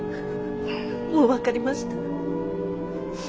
もう分かりました。